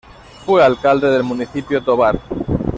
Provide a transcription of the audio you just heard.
Fue Alcalde del Municipio Tovar.